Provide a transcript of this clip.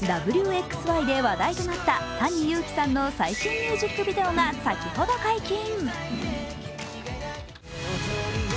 「Ｗ／Ｘ／Ｙ」で話題となったＴａｎｉＹｕｕｋｉさんの最新ミュージックビデオが先ほど解禁。